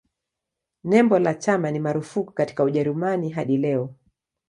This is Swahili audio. Nembo la chama ni marufuku katika Ujerumani hadi leo.